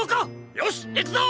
よしいくぞ！